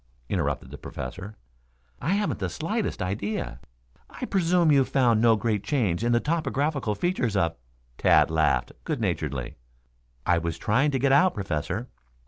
interrupted the Professor. "I haven't the slightest idea." "I presume you found no great change in the topographic features of " Tad laughed good naturedly. "I was trying to get out, Professor.